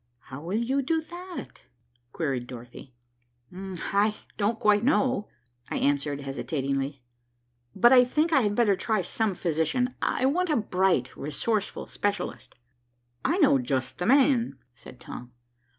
"How will you do that?" queried Dorothy. "I don't quite know," I answered hesitatingly. "But I think I had better try some physician. I want a bright, resourceful specialist." "I know just the man," said Tom.